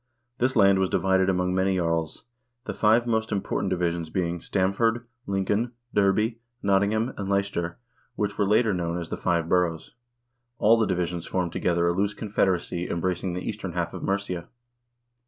This land was divided among many jarls ; the five most important divisions being : Stamford, Lincoln, Derby, Nottingham, and Leicester, which were later known 58 HISTORY OF THE NORWEGIAN PEOPLE as the "Five Boroughs." All the divisions formed together a loose confederacy embracing the eastern half of Mercia.